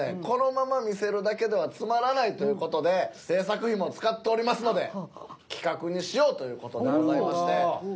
このまま見せるだけではつまらないという事で制作費も使っておりますので企画にしようという事でございまして。